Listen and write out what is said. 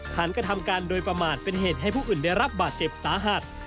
กระทำการโดยประมาทเป็นเหตุให้ผู้อื่นได้รับบาดเจ็บสาหัส